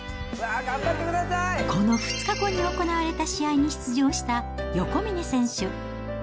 この２日後に行われた試合に出場した横峯選手。